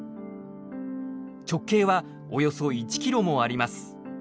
直径はおよそ１キロもあります。